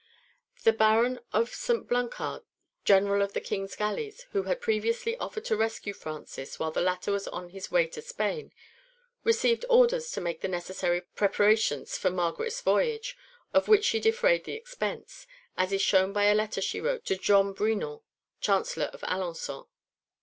The Baron of St. Blancard, general of the King's galleys, who had previously offered to rescue Francis while the latter was on his way to Spain, received orders to make the necessary preparations for Margaret's voyage, of which she defrayed the expense, as is shown by a letter she wrote to John Brinon, Chancellor of Alençon.